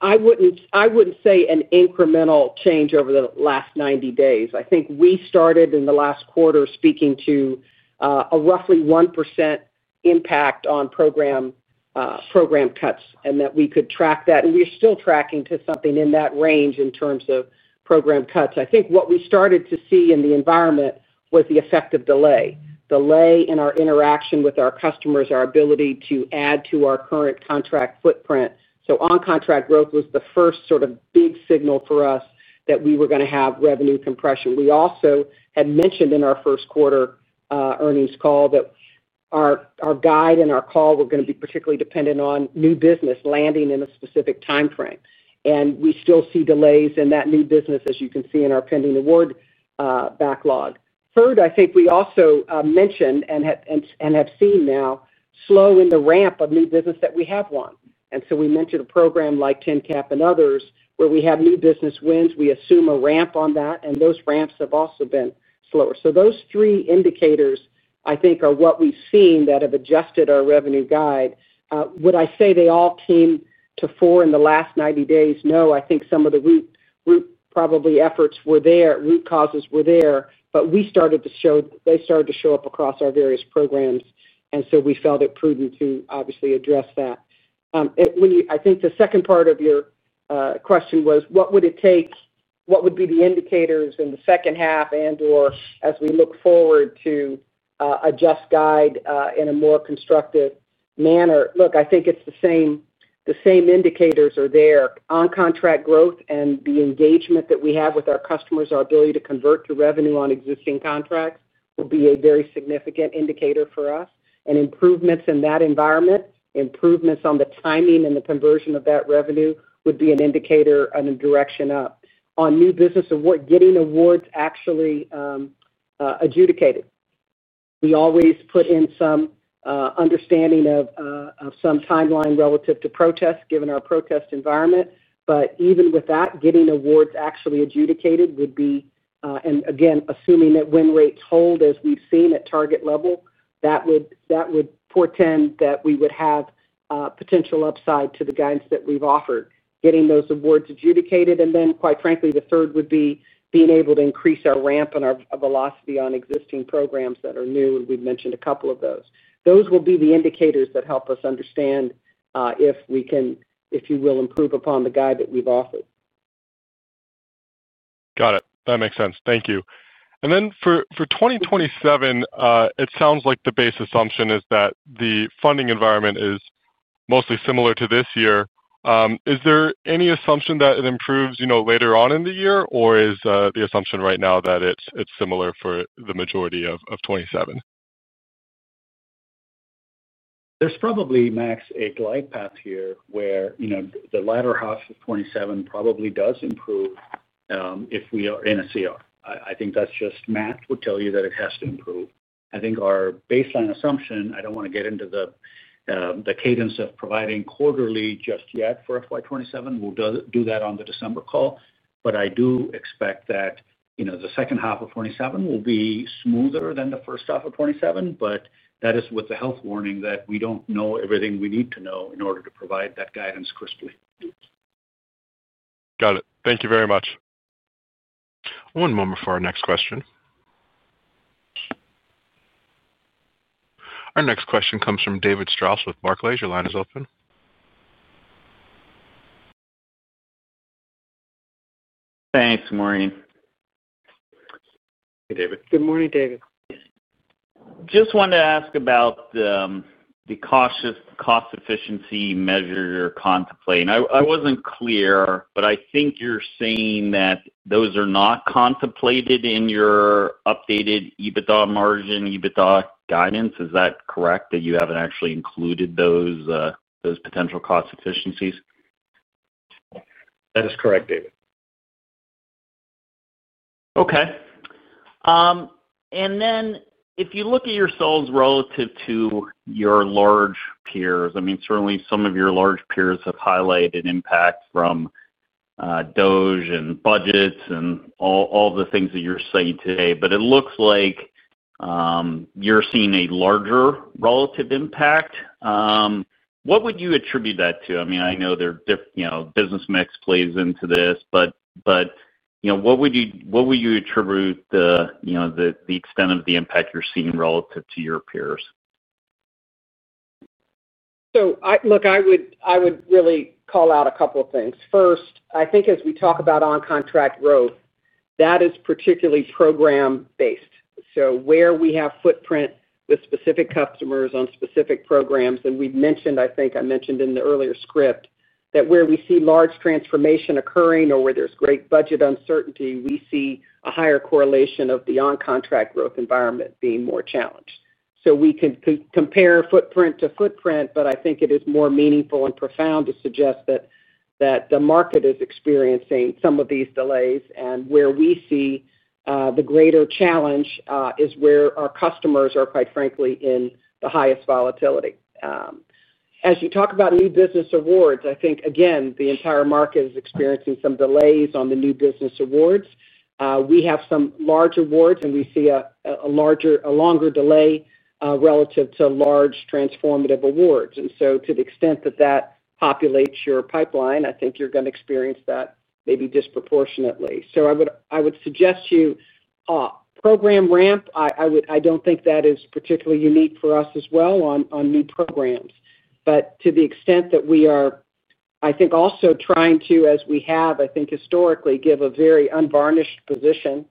C: I wouldn't say an incremental change over the last ninety days. I think we started in the last quarter speaking to a roughly 1% impact on program cuts and that we could track that. And we're still tracking to something in that range in terms of program cuts. I think what we started to see in the environment was the effect of delay, delay in our interaction with our customers, our ability to add to our current contract footprint. So on contract growth was the first sort of big signal for us that we were going to have revenue compression. We also had mentioned in our first quarter earnings call that our guide and our call were going to be particularly dependent on new business landing in a specific timeframe. And we still see delays in that new business, as you can see in our pending award backlog. Third, I think we also mentioned and have seen now slowing the ramp of new business that we have won. And so we mentioned a program like TENCAP and others where we have new business wins. We assume a ramp on that. And those ramps have also been slower. So those three indicators, I think, are what we've seen that have adjusted our revenue guide. Would I say they all came to four in the last ninety days? No, I think some of the root probably efforts were there root causes were there. But we started to show they started to show up across our various programs. And so we felt it prudent to obviously address that. I think the second part of your question was, what would it take? What would be the indicators in the second half and or as we look forward to adjust guide in a more constructive manner? Look, I think it's the same indicators are there. On contract growth and the engagement that we have with our customers, our ability to convert to revenue on existing contracts will be a very significant indicator for us. And improvements in that environment, improvements on the timing and the conversion of that revenue would be an indicator on the direction up. On new business award, getting awards actually adjudicated. We always put in some understanding of some timeline relative to protests, given our protest environment. But even with that, getting awards actually adjudicated would be and again, assuming that win rates hold as we've seen at target level, that would portend that we would have potential upside to the guidance that we've offered, getting those awards adjudicated. And then quite frankly, the third would be being able to increase our ramp and our velocity on existing programs that are new. We've mentioned a couple of those. Those will be the indicators that help us understand if we can, if you will improve upon the guide that we've offered.
J: Got it. That makes sense. Thank you. And then for 2027, it sounds like the base assumption is that the funding environment is mostly similar to this year. Is there any assumption that it improves later on in the year? Or is the assumption right now that it's similar for the majority of 'twenty seven?
D: There's probably, Max, a glide path here where the latter half of '27 probably does improve if we are in a CR. I think that's just math would tell you that it has to improve. I think our baseline assumption, I don't want to get into the cadence of providing quarterly just yet for FY 2027, we'll do that on the December call. But I do expect that the 2027 will be smoother than the 2027, but that is with the health warning that we don't know everything we need to know in order to provide that guidance crisply.
J: Got it. Thank you very much.
A: One moment for our next question. Our next question comes from David Strauss with Barclays. Your line is open.
K: Thanks. Good morning.
F: Hey, David. Good morning, David.
K: Just wanted to ask about the cautious cost efficiency measure you're contemplating. I wasn't clear, but I think you're saying that those are not contemplated in your updated EBITDA margin, EBITDA guidance. Is that correct that you haven't actually included those potential cost efficiencies?
D: That is correct, David.
K: Okay. And then if you look at yourselves relative to your large peers, I mean, some of your large peers have highlighted impact from Doge and budgets and all the things that you're seeing today. But it looks like, you're seeing a larger relative impact. What would you attribute that to? I mean, know there are business mix plays into this, But what you attribute the extent of the impact you're seeing relative to your peers?
C: So look, I would really call out a couple of things. First, I think as we talk about on contract growth, that is particularly program based. So where we have footprint with specific customers on specific programs and we've mentioned, I think I mentioned in the earlier script that where we see large transformation occurring or where there's great budget uncertainty, we see a higher correlation of the on contract growth environment being more challenged. So we can compare footprint to footprint, but I think it is more meaningful and profound to suggest that the market is experiencing some of these delays. And where we see the greater challenge is where our customers are quite frankly in the highest volatility. As you talk about new business awards, I think again, the entire market is experiencing some delays on the new business awards. We have some large awards and we see a longer delay relative to large transformative awards. And so to the extent that that populates your pipeline, I think you're going to experience that maybe disproportionately. So I would suggest you program ramp, I don't think that is particularly unique for us as well on new programs. But to the extent that we are, I think also trying to as we have, I think historically, give a very unvarnished position,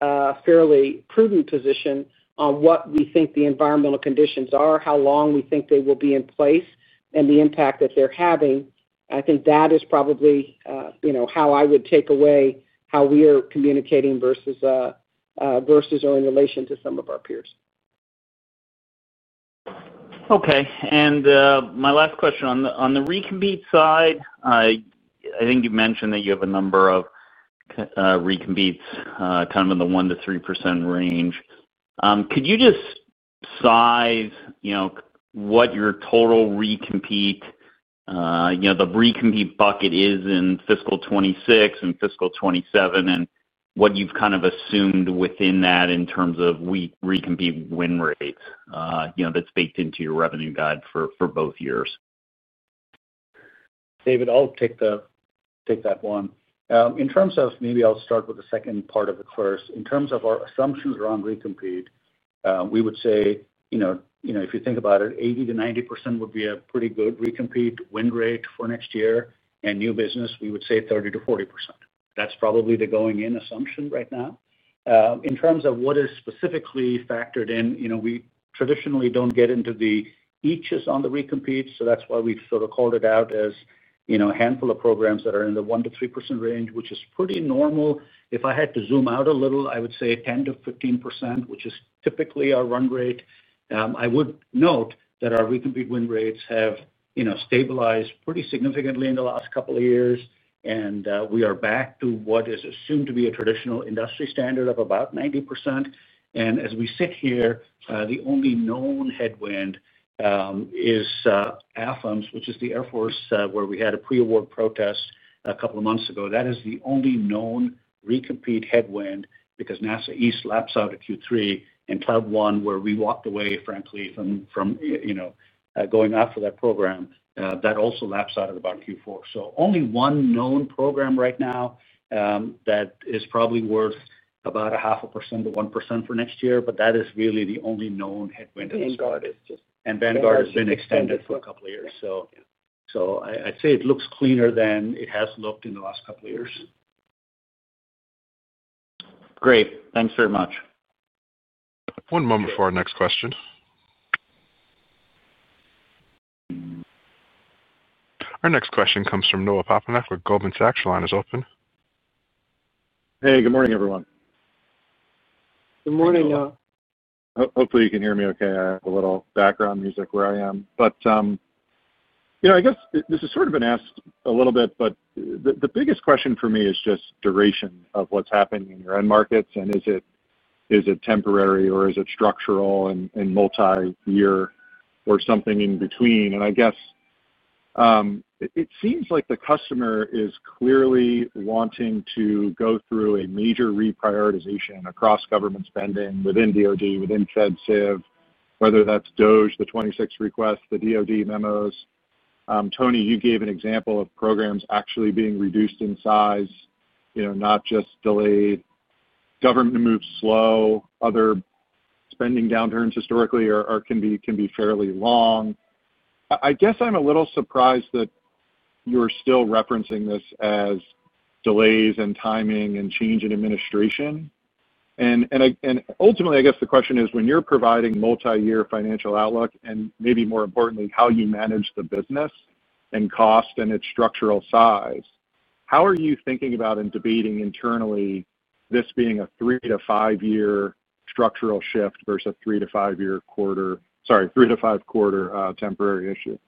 C: fairly prudent position on what we think the environmental conditions are, how long we think they will be in place and the impact that they're having. I think that is probably how I would take away how we are communicating versus or in relation to some of our peers.
K: Okay. And my last question on the recompete side, I think you mentioned that you have a number of recompetes kind of in the 1% to 3% range. Could you just size what your total recompete the recompete bucket is in fiscal twenty twenty six and fiscal twenty twenty seven? And what you've kind of assumed within that in terms of recompete win rates that's baked into your revenue guide for both years?
D: David, I'll take that one. In terms of maybe I'll start with the second part of the first. In terms of our assumptions around recompete, we would say if you think about it, 80% to 90% would be a pretty good recompete win rate for next year. And new business, we would say 30% to 40%. That's probably the going in assumption right now. In terms of what is specifically factored in, we traditionally don't get into the eaches on the recompetes, so that's why we sort of called it out as a handful of programs that are in the 1% to 3% range, which is pretty normal. If I had to zoom out a little, would say 10% to 15%, which is typically our run rate. I would note that our recompete win rates have stabilized pretty significantly in the last couple of years, and we are back to what is assumed to be a traditional industry standard of about 90%. And as we sit here, the only known headwind is AFIMS, which is the Air Force where we had a pre award protest a couple of months ago, that is the only known recompete headwind because NASA East laps out of Q3 and Club one where we walked away frankly from going after that program, that also laps out at about Q4. So only one known program right now that is probably worth about a half a percent to 1% for next year, but that is really the only known headwind. Vanguard has been extended for a couple of years. So I'd say it looks cleaner than it has looked in the last couple of years. Great. Thanks very much.
A: One moment for our next question. Our next question comes from Noah Poponak with Goldman Sachs. Your line is open.
L: Hey, good morning everyone.
D: Good morning.
L: Hopefully you can hear me okay. I have a little background music where I am. But I guess this has sort of been asked a little bit, but the biggest question for me is just duration of what's happening in your end markets and is it temporary or is it structural and multi year or something in between? And I guess, it seems like the customer is clearly wanting to go through a major reprioritization across government spending within DoD, within FedSev, whether that's Doge, the '26 request, the DoD memos. Tony, you gave an example of programs actually being reduced in size, not just delayed government moves slow, other spending downturns historically or can be fairly long. I guess I'm a little surprised that you're still referencing this as delays and timing and change in administration. And ultimately, I guess the question is when you're providing multiyear financial outlook and maybe more importantly, how you manage the business and cost and its structural size, how are you thinking about and debating internally this being a three to five year structural shift versus a three to five year quarter sorry, three to five quarter temporary issue?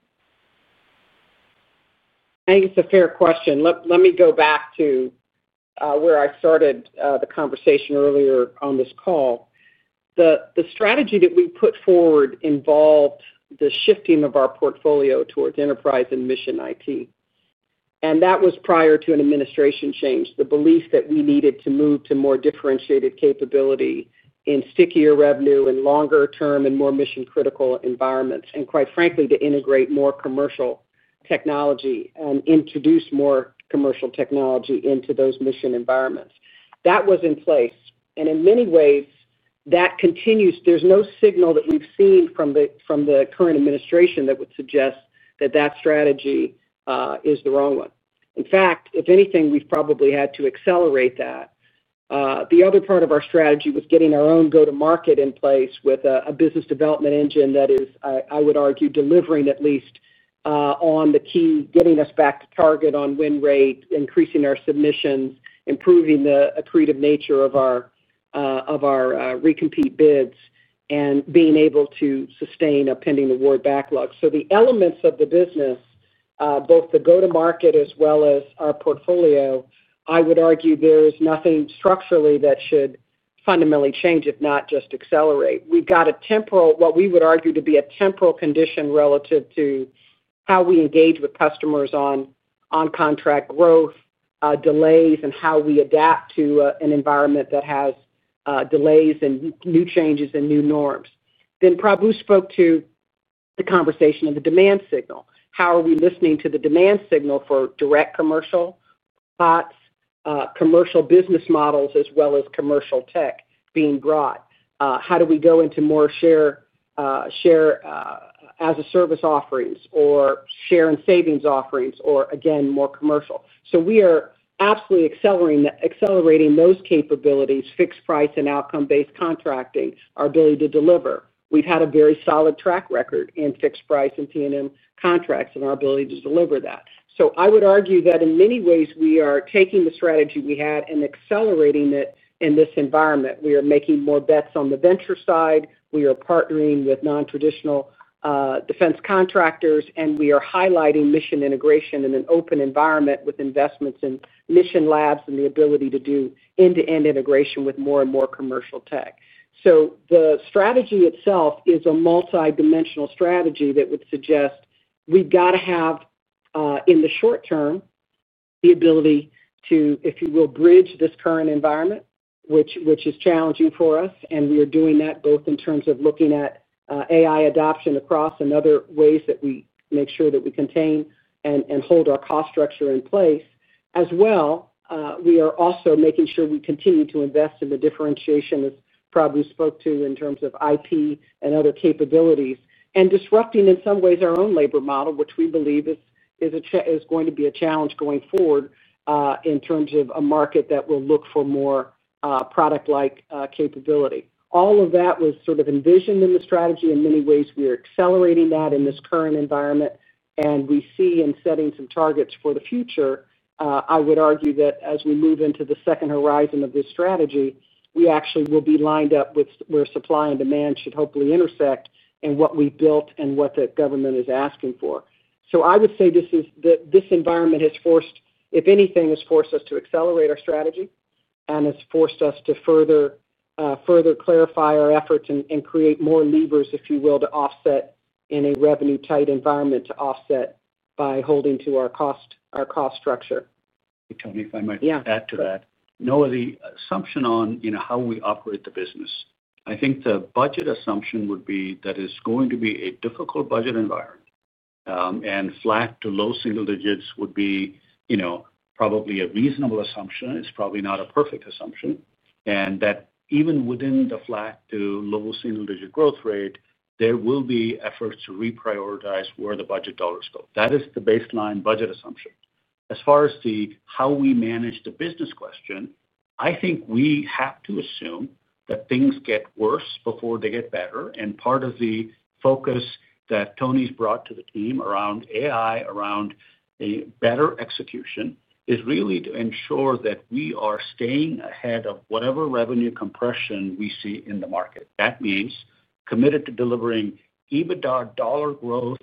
C: I think it's a fair question. Let me go back to where I started the conversation earlier on this call. The strategy that we put forward involved the shifting of our portfolio towards enterprise and mission IT. And that was prior to an administration change, the belief that we needed to move to more differentiated capability in stickier revenue and longer term and more mission critical environments. And quite frankly, to integrate more commercial technology and introduce more commercial technology into those mission environments. That was in place. And in many ways, that continues. There's no signal that we've seen from the current administration that would suggest that that strategy is the wrong one. In fact, if anything, we've probably had to accelerate that. The other part of our strategy was getting our own go to market in place with a business development engine that is, I would argue, delivering at least on the key getting us back to target on win rate, increasing our submissions, improving the accretive nature of our recompete bids, and being able to sustain a pending award backlog. So the elements of the business, both the go to market as well as our portfolio, I would argue there is nothing structurally that should fundamentally change, if not just accelerate. We've got a temporal what we would argue to be a temporal condition relative to how we engage with customers on contract growth, delays and how we adapt to an environment that has delays and new changes and new norms. Then Prabhu spoke to the conversation of the demand signal. How are we listening to the demand signal for direct commercial, parts, commercial business models as well as commercial tech being brought? How do we go into more share as a service offerings, or share and savings offerings, or again, commercial? So we are absolutely accelerating those capabilities, fixed price and outcome based contracting, our ability to deliver. We've had a very solid track record in fixed price and T and M contracts and our ability to deliver that. So I would argue that in many ways, are taking the strategy we had and accelerating it in this environment. We are making more bets on the venture side. We are partnering with nontraditional defense contractors. And we are highlighting mission integration in an open environment with investments in mission labs and the ability to do end to end integration with more and more commercial tech. So the strategy itself is a multidimensional strategy that would suggest we've got to have, in the short term, the ability to, if you will, bridge this current environment, which is challenging for us. And we are doing that both in terms of looking at AI adoption across and other ways that we make sure that we contain and hold our cost structure in place. As well, we are also making sure we continue to invest in the differentiation, as Prabhu spoke to, in terms of IP and other capabilities. And disrupting, in some ways, our own labor model, which we believe is going to be a challenge going forward in terms of a market that will look for more product like capability. All of that was sort of envisioned in the strategy. In many ways, we are accelerating that in this current environment. And we see in setting some targets for the future, I would argue that as we move into the second horizon of this strategy, we actually will be lined up with where supply and demand should hopefully intersect and what we built and what the government is asking for. So I would say this environment has forced if anything, forced us to accelerate our strategy and has forced us to further clarify our efforts and create more levers, if you will, to offset in a revenue tight environment to offset by holding to our cost structure.
D: Tony, if I might add to that. Noah, the assumption on how we operate the business. I think the budget assumption would be that it's going to be a difficult budget environment. And flat to low single digits would be probably a reasonable assumption. It's probably not a perfect assumption. And that even within the flat to low single digit growth rate, there will be efforts to reprioritize where the budget dollars go. That is the baseline budget assumption. As far as the how we manage the business question, I think we have to assume that things get worse before they get better. And part of the focus that Tony's brought to the team around AI, around a better execution is really to ensure that we are staying ahead of whatever revenue compression we see in the market. That means committed to delivering EBITDA dollar growth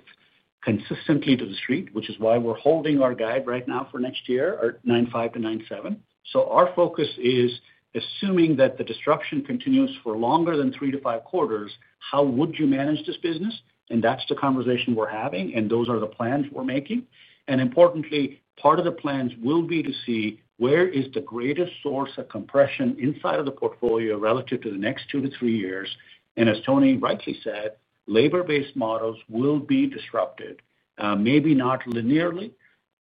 D: consistently to the Street, which is why we're holding our guide right now for next year at 9.5% to 9.7%. So our focus is assuming that the disruption continues for longer than three to five quarters, how would you manage this business? And that's the conversation we're having and those are the plans we're making. And importantly, part of the plans will be to see where is the greatest source of compression inside of the portfolio relative to the next two to three years. And as Tony rightly said, labor based models will be disrupted, maybe not linearly,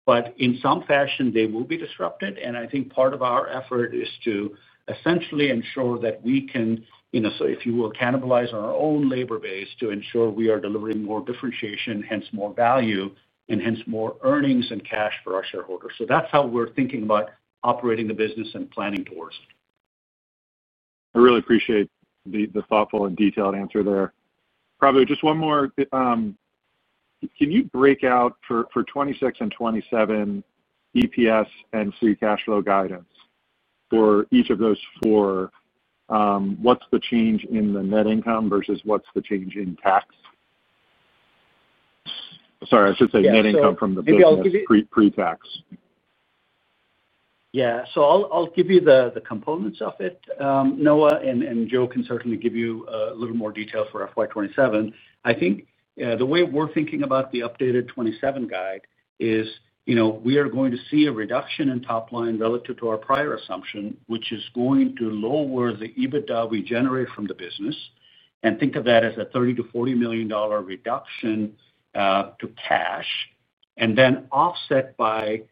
D: but in some fashion they will be disrupted. And I think part of our effort is to essentially ensure that we can, so if you will cannibalize our own labor base to ensure we are delivering more differentiation, hence more value and hence more earnings and cash for our shareholders. So that's how we're thinking about operating the business and planning towards.
L: I really appreciate the thoughtful and detailed answer there. Probably just one more. Can you break out for 26,000,000 and $27,000,000 EPS and free cash flow guidance for each of those four? What's the change in the net income versus what's the change in tax? Sorry, I should say net income from
D: the So pre I'll give you the components of it, Noah, and Joe can certainly give you a little more detail for FY 2027. I think the way we're thinking about the updated 2027 guide is we are going to see a reduction in top line relative to our prior assumption, which is going to lower the EBITDA we generate from the business. And think of that as a 30,000,000 to $40,000,000 reduction to cash and then offset by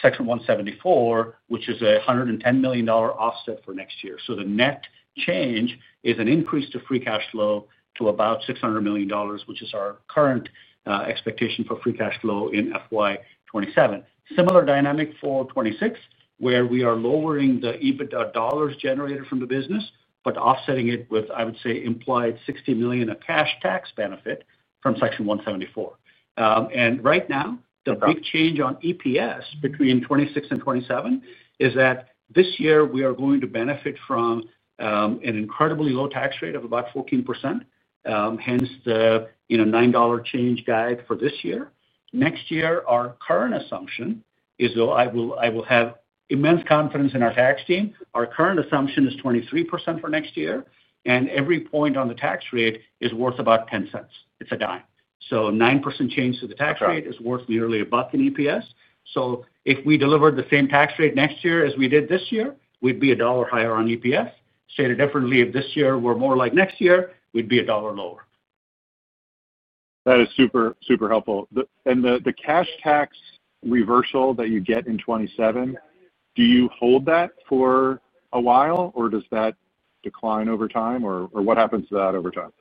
D: Section 174, which is a $110,000,000 offset for next year. So the net change is an increase to free cash flow to about $600,000,000 which is our current expectation for free cash flow in FY 2027. Similar dynamic for 2026, where we are lowering the EBITDA dollars generated from the business, but offsetting it with, I would say, implied $60,000,000 of cash tax benefit from Section 174. And right now, the big change on EPS between $0.26 and $0.27 is that this year we are going to benefit from an incredibly low tax rate of about 14%, hence the $9 change guide for this year. Next year, our current assumption is though I will have immense confidence in our tax team. Our current assumption is 23% for next year. And every point on the tax rate is worth about $0.10 It's a dime. So 9% change to the tax is worth nearly $1 in EPS. So if we delivered the same tax rate next year as we did this year, we'd be $1 higher on EPS. Say it differently, if this year were more like next year, we'd be $1 lower.
L: That is super, super helpful. And the cash tax reversal that you get in 2027, do you hold that for a while? Or does that decline over time? Or what happens to that over time?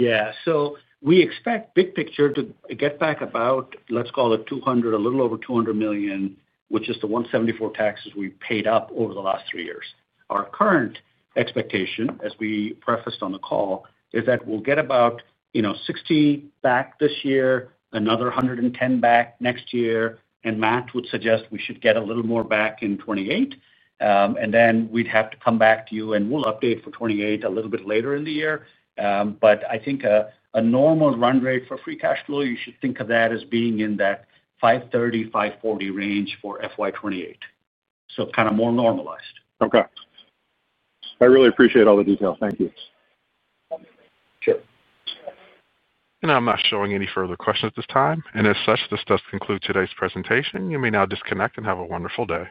D: Yes. So we expect big picture to get back about, let's call it 200,000,000 a little over $200,000,000 which is the 174,000,000 taxes we paid up over the last three years. Our current expectation, as we prefaced on the call, is that we'll get about 60,000,000 back this year, another 110,000,000 back next year. And Matt would suggest we should get a little more back in 'twenty eight. And then we'd have to come back to you and we'll update for 2028 a little bit later in the year. But I think a normal run rate for free cash flow, you should think of that as being in that $5.30, $5.40 range for FY 2028. So kind of more normalized.
L: Okay. I really appreciate all the details. Thank you.
D: Sure.
A: And I'm not showing any further questions at this time. And as such, this does conclude today's presentation. You may now disconnect and have a wonderful day.